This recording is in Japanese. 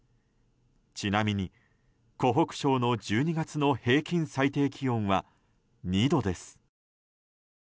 ちなみに、湖北省の１２月の平均最低気温は２度です。